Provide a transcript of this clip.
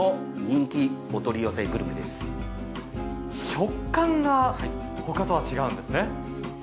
食感が他とは違うんですね。